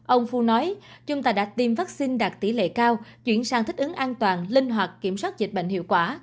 ông phu nói chúng ta đã tiêm vaccine đạt tỷ lệ cao chuyển sang thích ứng an toàn linh hoạt kiểm soát dịch bệnh hiệu quả